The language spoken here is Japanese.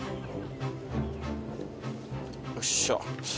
よっしゃ。